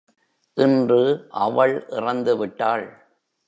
இன்று அவள் இறந்து விட்டாள்.